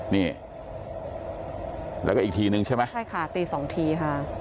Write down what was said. นี่แล้วก็อีกทีนึงใช่ไหมใช่ค่ะตีสองทีค่ะ